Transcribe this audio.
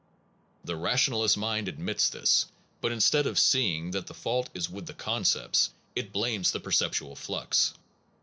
The ra tionalist mind admits this; but instead of see ing that the fault is with the concepts, it blames the perceptual flux.